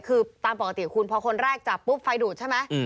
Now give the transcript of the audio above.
คือตามปกติคุณพอคนแรกจับปุ๊บไฟดูดใช่ไหม